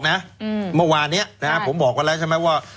นะอืมเมื่อวานเนี้ยนะฮะผมบอกกันแล้วใช่ไหมว่า